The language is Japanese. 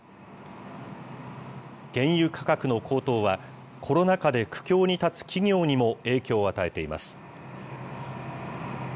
原油価格の高騰は、コロナ禍で苦境に立つ企業にも影響を与えています。